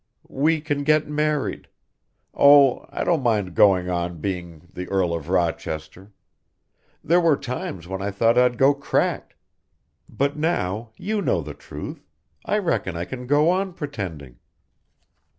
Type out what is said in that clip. "We can get married Oh, I don't mind going on being the Earl of Rochester. There were times when I thought I'd go cracked but now you know the truth, I reckon I can go on pretending.